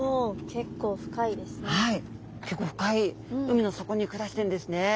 結構深い海の底に暮らしてるんですね。